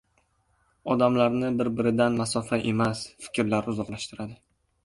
Odamlarni bir-biridan masofa emas, fikrlar uzoqlashtiradi.